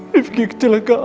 rifqi kecelakaan mila